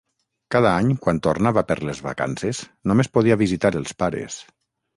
Cada any, quan tornava per les vacances, només podia visitar els pares.